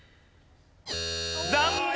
残念！